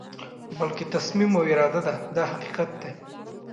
بلکې تصمیم او اراده ده دا حقیقت دی.